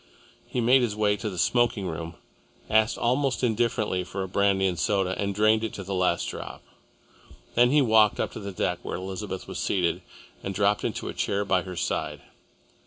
He made his way to the smoking room, asked almost indifferently for a brandy and soda, and drained it to the last drop. Then he walked up the deck to where Elizabeth was seated, and dropped into a chair by her side.